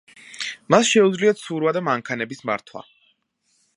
მას შეუძლია ცურვა და მანქანების მართვა.